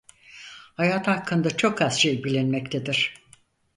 Hayatı hakkında çok az şey bilinmektedir.